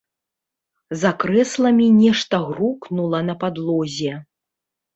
За крэсламі нешта грукнула на падлозе.